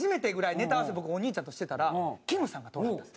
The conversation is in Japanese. ネタ合わせを僕、お兄ちゃんとしてたらきむさんが通はったんです。